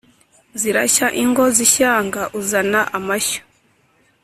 zirashya ingo z’ishyanga uzana amashyo.